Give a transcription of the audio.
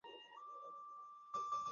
এভাবে তারা ফিতনায় পতিত হয়।